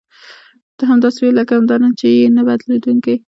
ته همداسې وې لکه همدا نن چې یې نه بدلېدونکې.